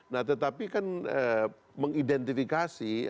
nah tetapi kan mengidentifikasi